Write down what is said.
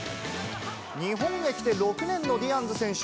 日本へ来て６年のディアンズ選手。